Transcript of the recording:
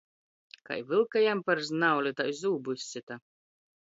Kai vylka jam par znauli, tai zūbu izsyta.